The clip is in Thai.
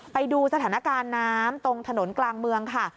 ไปดูสถานการณ์น้ำตรงถนนกลางเมืองค่ะ